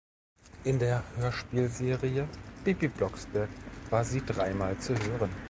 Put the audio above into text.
In der Hörspielserie "Bibi Blocksberg" war sie dreimal zu hören.